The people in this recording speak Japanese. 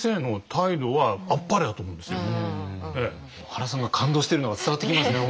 原さんが感動してるのが伝わってきますね